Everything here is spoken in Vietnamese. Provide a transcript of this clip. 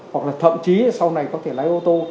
hoặc là thậm chí sau này có thể lái ô tô